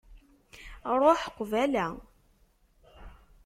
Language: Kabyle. Ruḥ qbala.